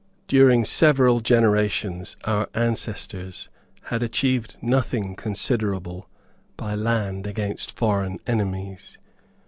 During several generations our ancestors had achieved nothing considerable by land against foreign enemies.